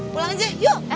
pulang aja yuk